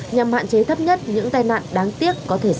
nhằm hạn chế thấp nhất những tai nạn đáng tiếc có thể xảy ra